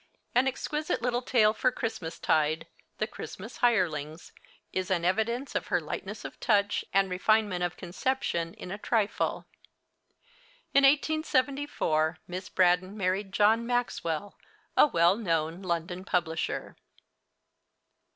An exquisite little tale for Christmas tide, 'The Christmas Hirelings,' is an evidence of her lightness of touch and refinement of conception in a trifle. In 1874 Miss Braddon married John Maxwell, a well known London publisher.